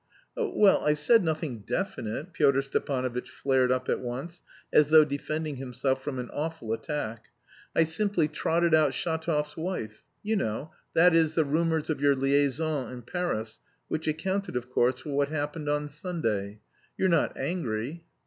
"Oh, well, I've said nothing definite," Pyotr Stepanovitch flared up at once, as though defending himself from an awful attack. "I simply trotted out Shatov's wife; you know, that is, the rumours of your liaison in Paris, which accounted, of course, for what happened on Sunday. You're not angry?"